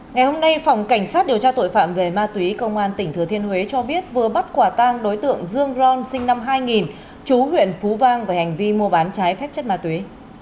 ngày hôm nay phòng cảnh sát điều tra tội phạm về ma túy công an tỉnh thừa thiên huế cho biết vừa bắt quả tang đối tượng dương ron sinh năm hai nghìn chú huyện phú vang về hành vi mua bán trái phép chất ma túy